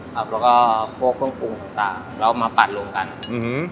ครับแล้วก็พวกเครื่องปรุงต่างต่างแล้วมาปั่นลงกันอืม